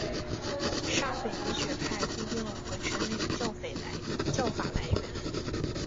沙斐仪学派规定了五个权威的教法来源。